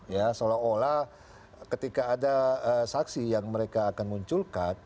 ya seolah olah ketika ada saksi yang mereka akan munculkan